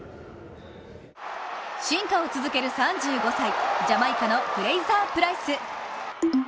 進化を続ける３５歳、ジャマイカのフレイザー・プライス。